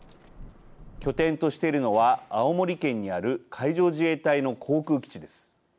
拠点としているのは青森県にある海上自衛隊の航空基地です。